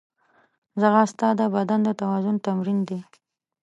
ځغاسته د بدن د توازن تمرین دی